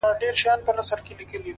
ته چي قدمونو كي چابكه سې-